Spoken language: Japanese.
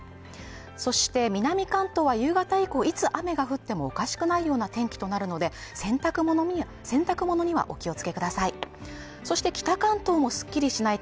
そして南関東は夕方以降いつ雨が降ってもおかしくないような天気となるので洗濯物にはお気をつけください